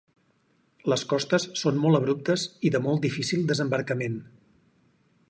Les costes són molt abruptes i de molt difícil desembarcament.